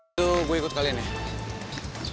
itu gue ikut kalian nih